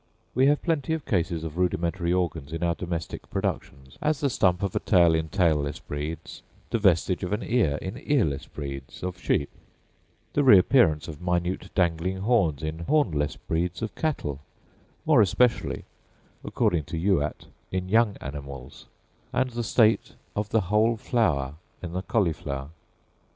We have plenty of cases of rudimentary organs in our domestic productions, as the stump of a tail in tailless breeds, the vestige of an ear in earless breeds of sheep—the reappearance of minute dangling horns in hornless breeds of cattle, more especially, according to Youatt, in young animals—and the state of the whole flower in the cauliflower.